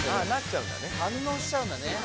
反応しちゃうんだね